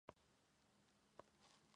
Se encuentran en Asia: río Kura.